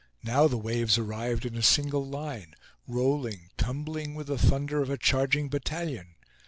Now the waves arrived in a single line, rolling, tumbling with the thunder of a charging battalion.